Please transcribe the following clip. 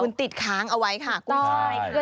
คุณติดค้างเอาไว้ค่ะกุ้ยช่าย